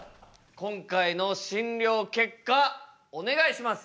今回の診りょう結果お願いします。